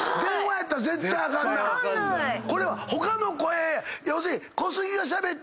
これは他の声要するに。